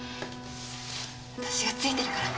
私がついてるから。